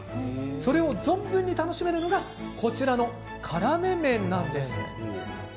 それを存分に楽しめるのがこちらの、からめ麺なんです。